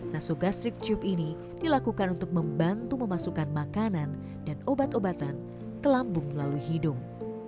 nasogastrik jeep ini dilakukan untuk membantu memasukkan makanan dan obat obatan ke lambung melalui hidung